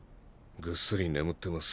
ぐっすり眠ってます。